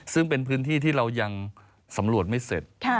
ซึ่งเป็นพื้นที่ที่เรายังสำรวจไม่เสร็จ